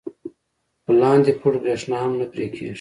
خو د لاندې پوړ برېښنا هم نه پرې کېږي.